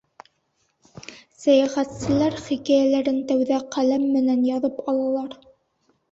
Сәйәхтселәр хикәйәләрен тәүҙә ҡәләм менән яҙып алалар.